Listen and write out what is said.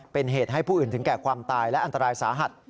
เป็นเหตุให้ผู้อื่นถึงแก่ความตายและอันตรายสาหัส